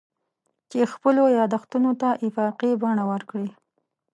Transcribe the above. چې خپلو یادښتونو ته افاقي بڼه ورکړي.